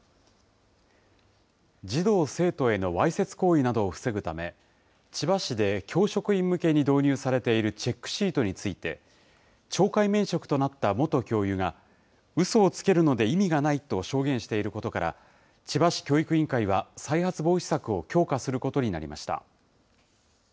児童・生徒へのわいせつ行為などを防ぐため、千葉市で教職員向けに導入されているチェックシートについて、懲戒免職となった元教諭が、うそをつけるので意味がないと証言していることから、千葉市教育委員会は、再発防止策を強化することになりました。